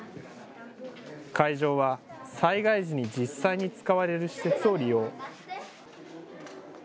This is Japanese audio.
会場は災害時に実際に使われる施設を利用。